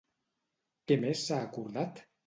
Què més s'ha acordat?